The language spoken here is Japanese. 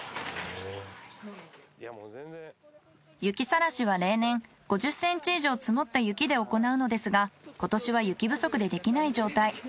雪さらしは例年５０ｃｍ以上積もった雪で行うのですが今年は雪不足でできない状態。